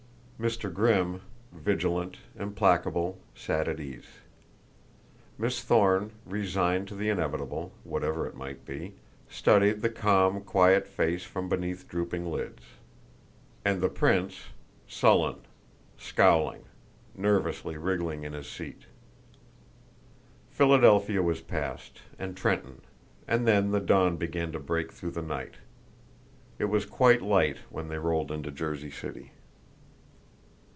Mr. Grimm, vigilant, implacable, sat at ease; Miss Thorne, resigned to the inevitable, whatever it might be, studied the calm, quiet face from beneath drooping lids; and the prince, sullen, scowling, nervously wriggled in his seat. Philadelphia was passed, and Trenton, and then the dawn began to break through the night. It was quite light when they rolled into Jersey City.